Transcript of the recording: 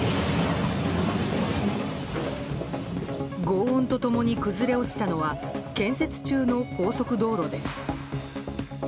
轟音と共に崩れ落ちたのは建設中の高速道路です。